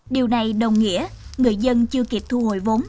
điều này đồng nghĩa người dân chưa kịp thu hồi vốn